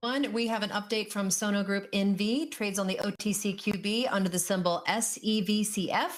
One, we have an update from Sono Group NV, which trades on the OTCQB under the symbol SEVCF,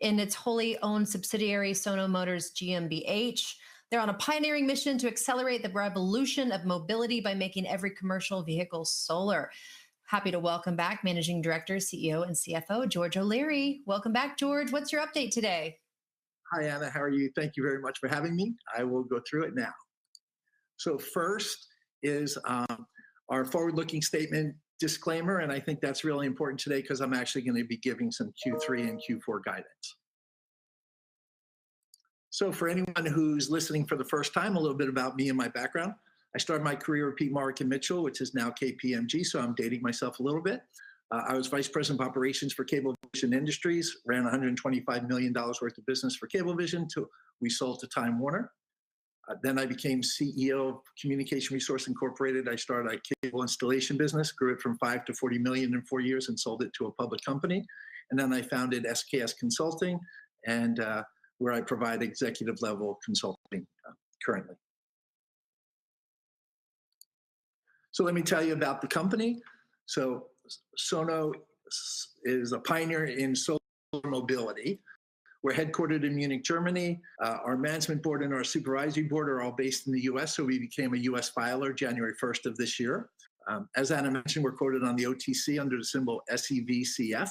and its wholly owned subsidiary Sono Motors GmbH. They're on a pioneering mission to accelerate the revolution of mobility by making every commercial vehicle solar. Happy to welcome back Managing Director, CEO, and CFO, George O'Leary. Welcome back, George. What's your update today? Hi Ana. How are you? Thank you very much for having me. I will go through it now. First is our forward-looking statement disclaimer, and I think that's really important today because I'm actually going to be giving some Q3 and Q4 guidance. For anyone who's listening for the first time, a little bit about me and my background. I started my career at Peat Marwick Mitchell, which is now KPMG, so I'm dating myself a little bit. I was Vice President of Operations for Cablevision Industries, ran $125 million worth of business for Cablevision. We sold to Time Warner. I became CEO of Communication Resource Incorporated. I started a cable installation business, grew it from $5 million-$40 million in 4 years, and sold it to a public company. I founded SKS Consulting, where I provide executive-level consulting currently. Let me tell you about the company. Sono is a pioneer in solar mobility. We're headquartered in Munich, Germany. Our Management Board and our Supervisory Board are all based in the U.S., so we became a U.S. filer January 1st of this year. As Ana mentioned, we're quoted on the OTC under the symbol SEVCF.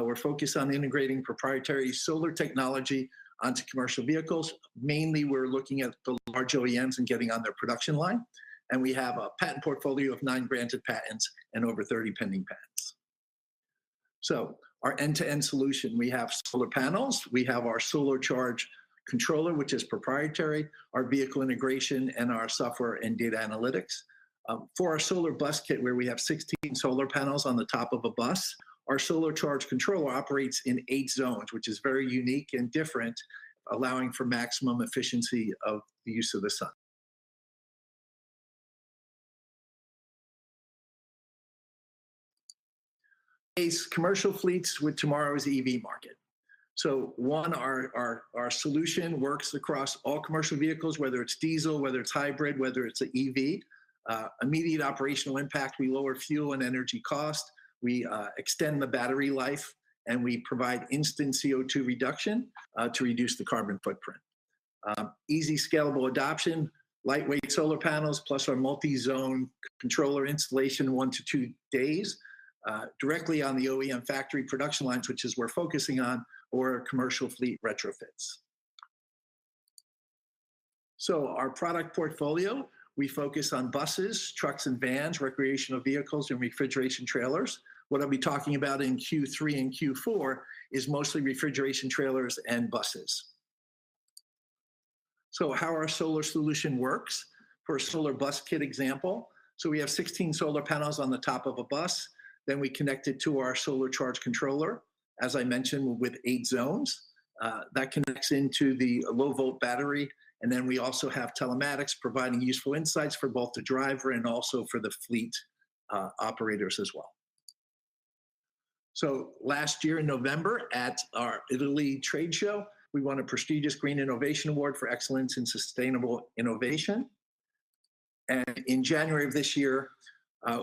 We're focused on integrating proprietary solar technology onto commercial vehicles. Mainly, we're looking at the large OEMs and getting on their production line. We have a patent portfolio of nine granted patents and over 30 pending patents. Our end-to-end solution includes solar panels, our solar charge controller, which is proprietary, our vehicle integration, and our software and data analytics. For our solar bus kit, where we have 16 solar panels on the top of a bus, our solar charge controller operates in eight zones, which is very unique and different, allowing for maximum efficiency of the use of the sun. A commercial fleet with tomorrow's EV market. Our solution works across all commercial vehicles, whether it's diesel, whether it's hybrid, whether it's an EV. Immediate operational impact, we lower fuel and energy cost. We extend the battery life, and we provide instant CO2 reduction to reduce the carbon footprint. Easy scalable adoption, lightweight solar panels, plus our multi-zone controller installation one to two days directly on the OEM factory production lines, which is where we're focusing on, or commercial fleet retrofits. Our product portfolio focuses on buses, trucks, and vans, recreational vehicles, and refrigeration trailers. What I'll be talking about in Q3 and Q4 is mostly refrigeration trailers and buses. How our solar solution works for a solar bus kit example: we have 16 solar panels on the top of a bus. Then we connect it to our solar charge controller, as I mentioned, with eight zones. That connects into the low-volt battery. We also have telematics providing useful insights for both the driver and also for the fleet operators as well. Last year in November at our Italy trade show, we won a prestigious Green Innovation Award for excellence in sustainable innovation. In January of this year,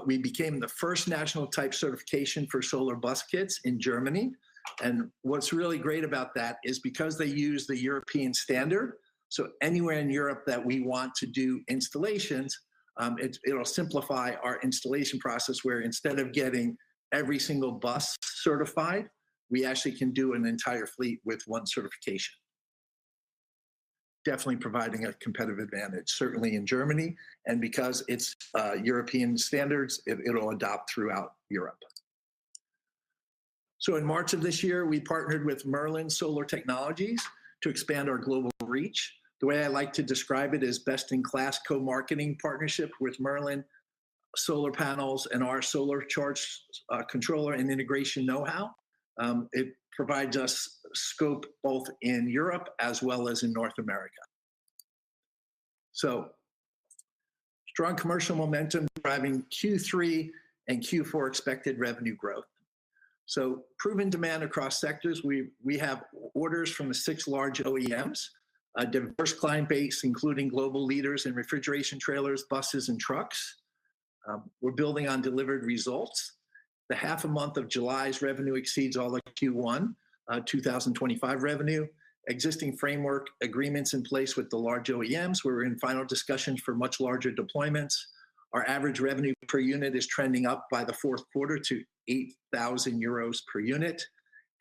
we became the first national type certification for solar bus kits in Germany. What's really great about that is because they use the European standard, anywhere in Europe that we want to do installations, it'll simplify our installation process. Instead of getting every single bus certified, we actually can do an entire fleet with one certification, definitely providing a competitive advantage, certainly in Germany. Because it's European standards, it'll adopt throughout Europe. In March of this year, we partnered with Merlin Solar Technologies to expand our global reach. The way I like to describe it is best-in-class co-marketing partnership with Merlin Solar Panels and our solar charge controller and integration know-how. It provides us scope both in Europe as well as in North America. Strong commercial momentum is driving Q3 and Q4 expected revenue growth. Proven demand across sectors. We have orders from six large OEMs, a diverse client base, including global leaders in refrigeration trailers, buses, and trucks. We're building on delivered results. The half a month of July's revenue exceeds all of Q1 2025 revenue. Existing framework agreements are in place with the large OEMs. We're in final discussions for much larger deployments. Our average revenue per unit is trending up by the fourth quarter to 8,000 euros per unit.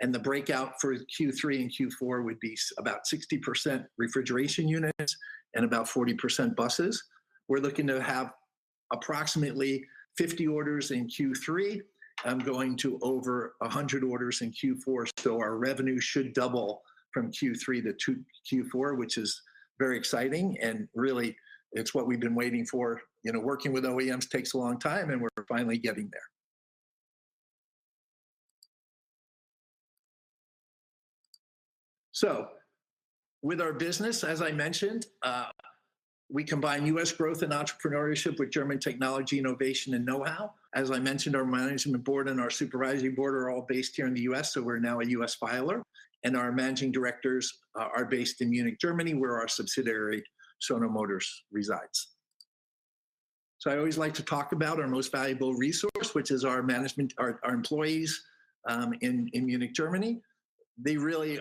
The breakout for Q3 and Q4 would be about 60% refrigeration units and about 40% buses. We're looking to have approximately 50 orders in Q3, going to over 100 orders in Q4. Our revenue should double from Q3 to Q4, which is very exciting. It's what we've been waiting for. Working with OEMs takes a long time, and we're finally getting there. With our business, as I mentioned, we combine U.S. growth and entrepreneurship with German technology, innovation, and know-how. As I mentioned, our Management Board and our Supervisory Board are all based here in the U.S. We're now a U.S. filer, and our Managing Directors are based in Munich, Germany, where our subsidiary Sono Motors resides. I always like to talk about our most valuable resource, which is our management, our employees in Munich, Germany. They're really,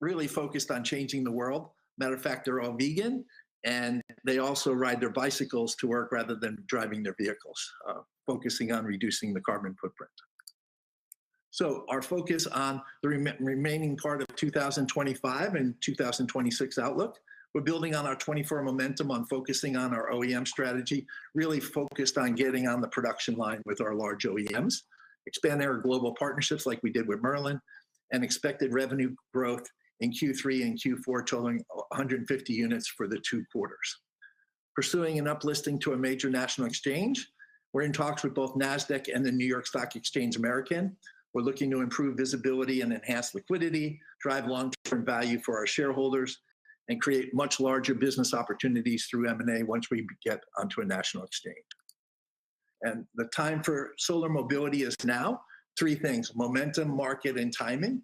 really focused on changing the world. Matter of fact, they're all vegan, and they also ride their bicycles to work rather than driving their vehicles, focusing on reducing the carbon footprint. Our focus on the remaining part of 2025 and 2026 outlook: we're building on our 2024 momentum, focusing on our OEM strategy, really focused on getting on the production line with our large OEMs, expanding our global partnerships like we did with Merlin, and expected revenue growth in Q3 and Q4 totaling 150 units for the two quarters. Pursuing an uplisting to a major national exchange, we're in talks with both NASDAQ and New York Stock Exchange American. We're looking to improve visibility and enhance liquidity, drive long-term value for our shareholders, and create much larger business opportunities through M&A once we get onto a national exchange. The time for solar mobility is now. Three things: momentum, market, and timing.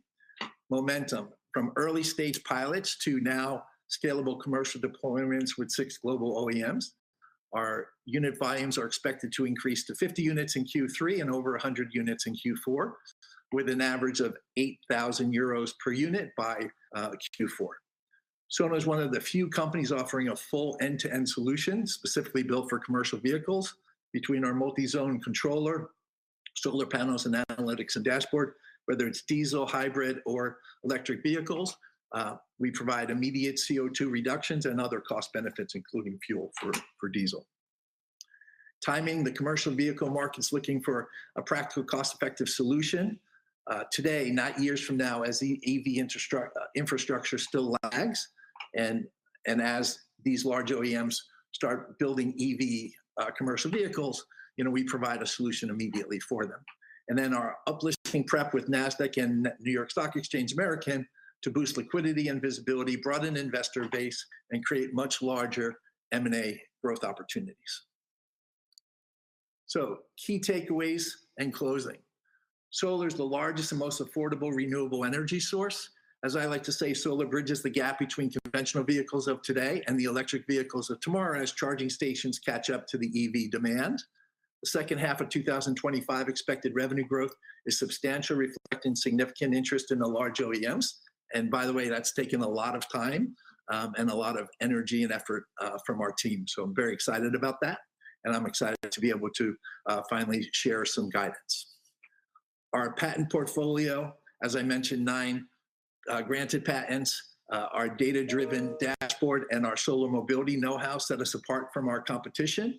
Momentum from early-stage pilots to now scalable commercial deployments with six global OEMs. Our unit volumes are expected to increase to 50 units in Q3 and over 100 units in Q4, with an average of 8,000 euros per unit by Q4. Sono is one of the few companies offering a full end-to-end solution specifically built for commercial vehicles. Between our multi-zone solar charge controller, solar panels, and analytics and dashboard, whether it's diesel, hybrid, or electric vehicles, we provide immediate CO2 reductions and other cost benefits, including fuel for diesel. Timing: the commercial vehicle market is looking for a practical, cost-effective solution today, not years from now, as the EV infrastructure still lags. As these large OEMs start building EV commercial vehicles, we provide a solution immediately for them. Our uplisting prep with NASDAQ and New York Stock Exchange American is to boost liquidity and visibility, broaden investor base, and create much larger M&A growth opportunities. Key takeaways and closing: solar is the largest and most affordable renewable energy source. As I like to say, solar bridges the gap between conventional vehicles of today and the electric vehicles of tomorrow as charging stations catch up to the EV demand. The second half of 2025 expected revenue growth is substantial, reflecting significant interest in the large OEMs. By the way, that's taken a lot of time and a lot of energy and effort from our team. I'm very excited about that. I'm excited to be able to finally share some guidance. Our patent portfolio, as I mentioned, nine granted patents, our data-driven dashboard, and our solar mobility know-how set us apart from our competition.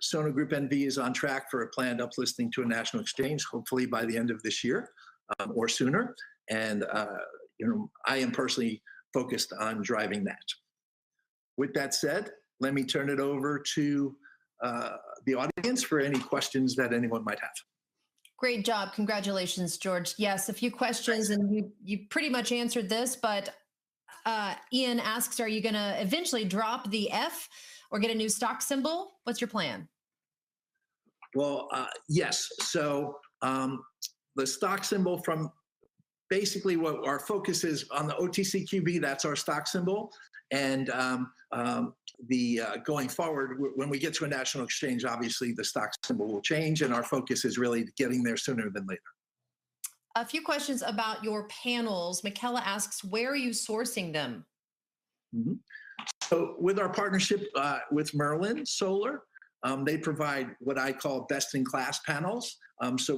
Sono Group N.V. is on track for a planned uplisting to a national exchange, hopefully by the end of this year or sooner. You know, I am personally focused on driving that. With that said, let me turn it over to the audience for any questions that anyone might have. Great job. Congratulations, George. Yes, a few questions, and you pretty much answered this, but Ian asks, are you going to eventually drop the F or get a new stock symbol? What's your plan? The stock symbol from basically what our focus is on the OTCQB, that's our stock symbol. Going forward, when we get to a national exchange, obviously the stock symbol will change, and our focus is really getting there sooner than later. A few questions about your panels. Michela asks, where are you sourcing them? With our partnership with Merlin Solar, they provide what I call best-in-class panels.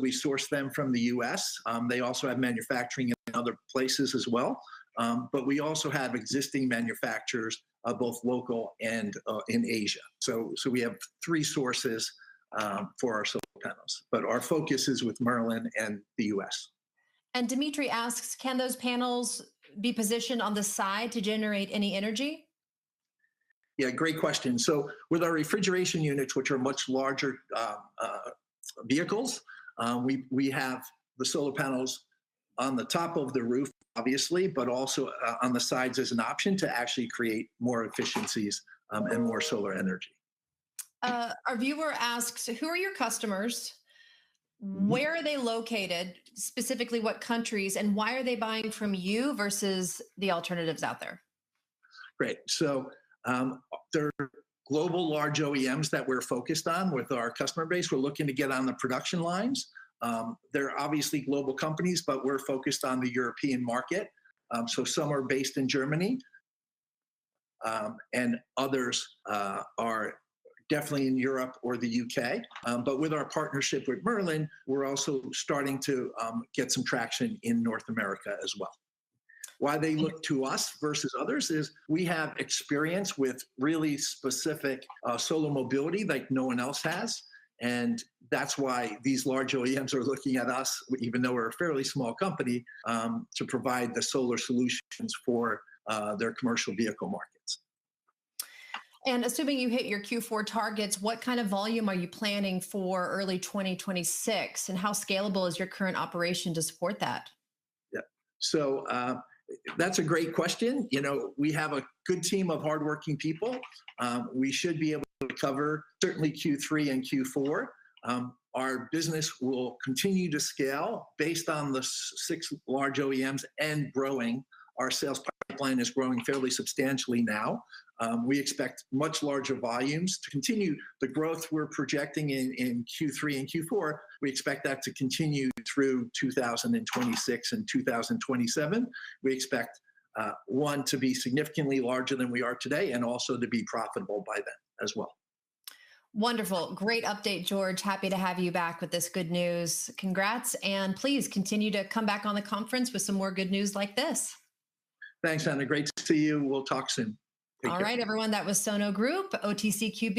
We source them from the U.S. They also have manufacturing in other places as well. We also have existing manufacturers both local and in Asia. We have three sources for our solar panels. Our focus is with Merlin and the U.S. Dimitri asks, can those panels be positioned on the side to generate any energy? Great question. With our refrigeration trailers, which are much larger vehicles, we have the solar panels on the top of the roof, obviously, but also on the sides as an option to actually create more efficiencies and more solar energy. Our viewer asks, who are your customers? Where are they located? Specifically, what countries? Why are they buying from you versus the alternatives out there? Right. There are global large OEMs that we're focused on with our customer base. We're looking to get on the production lines. They're obviously global companies, but we're focused on the European market. Some are based in Germany, and others are definitely in Europe or the U.K. With our partnership with Merlin, we're also starting to get some traction in North America as well. Why they look to us versus others is we have experience with really specific solar mobility like no one else has. That's why these large OEMs are looking at us, even though we're a fairly small company, to provide the solar solutions for their commercial vehicle markets. Assuming you hit your Q4 targets, what kind of volume are you planning for early 2026? How scalable is your current operation to support that? That's a great question. We have a good team of hardworking people. We should be able to cover certainly Q3 and Q4. Our business will continue to scale based on the six large OEMs and growing. Our sales plan is growing fairly substantially now. We expect much larger volumes to continue the growth we're projecting in Q3 and Q4. We expect that to continue through 2026 and 2027. We expect one to be significantly larger than we are today and also to be profitable by then as well. Wonderful. Great update, George. Happy to have you back with this good news. Congrats, and please continue to come back on the conference with some more good news like this. Thanks, Ana Great to see you. We'll talk soon. All right, everyone, that was Sono Group OTCQB.